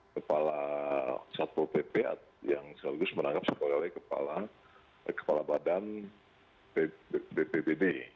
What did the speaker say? kepala satpol pp yang selalu merangkap sebagai kepala badan dppb